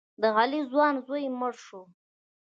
د علي ځوان زوی مړ شو.